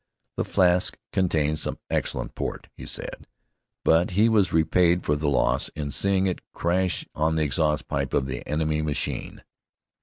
The flask contained some excellent port, he said, but he was repaid for the loss in seeing it crash on the exhaust pipe of the enemy machine.